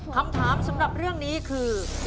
คำถามสำหรับเรื่องนี้คือ